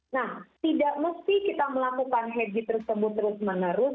nah tidak mesti kita melakukan habit terus menerus